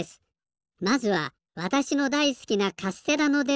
まずはわたしのだいすきなカステラのでる